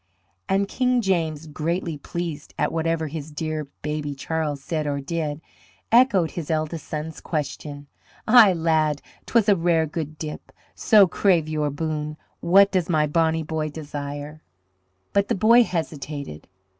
And King James, greatly pleased at whatever his dear "Baby Charles" said or did, echoed his eldest son's question. "Ay lad, 'twas a rare good dip; so crave your boon. What does my bonny boy desire?" But the boy hesitated.